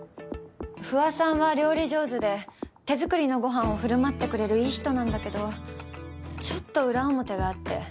不破さんは料理上手で手作りのご飯を振る舞ってくれるいい人なんだけどちょっと裏表があって